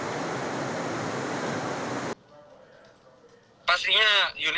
pastinya unit produksi ini akan berlalu